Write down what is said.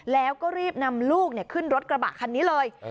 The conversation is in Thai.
แล้วก็รีบนำลูกขึ้นรถกระบะคันนี้เลย